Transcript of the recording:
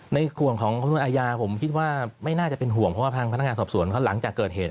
ในส่วนของคำนวณอาญาผมคิดว่าไม่น่าจะเป็นห่วงเพราะว่าทางพนักงานสอบสวนเขาหลังจากเกิดเหตุ